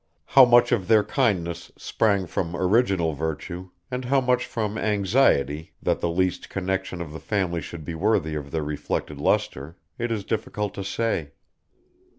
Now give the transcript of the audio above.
How much of their kindness sprang from original virtue, and how much from anxiety that the least connection of the family should be worthy of their reflected lustre, it is difficult to say.